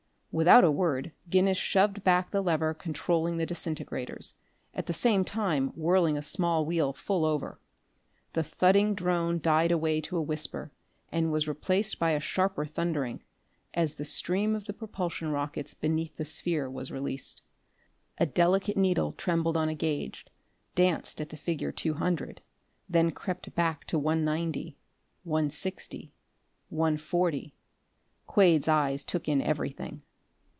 Without a word Guinness shoved back the lever controlling the disintegrators, at the same time whirling a small wheel full over. The thudding drone died away to a whisper, and was replaced by sharper thundering, as the stream of the propulsion rockets beneath the sphere was released. A delicate needle trembled on a gauge, danced at the figure two hundred, then crept back to one ninety ... one sixty ... one forty.... Quade's eyes took in everything.